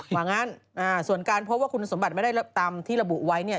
ว่างั้นส่วนการพบว่าคุณสมบัติไม่ได้ตามที่ระบุไว้เนี่ย